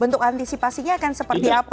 bentuk antisipasinya akan seperti apa